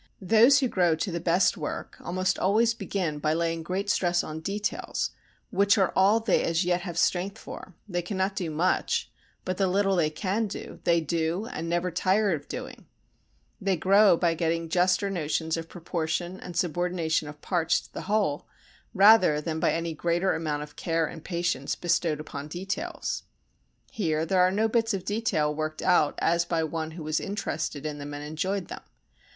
Those who grow to the best work almost always begin by laying great stress on details which are all they as yet have strength for; they cannot do much, but the little they can do they do and never tire of doing; they grow by getting juster notions of proportion and subordination of parts to the whole rather than by any greater amount of care and patience bestowed upon details. Here there are no bits of detail worked out as by one who was interested in them and enjoyed them.